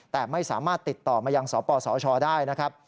แต่ไม่สามารถติดต่อมายังสปสชได้นะครับ